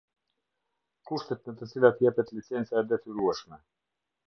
Kushtet në të cilat jepet licenca e detyrueshme.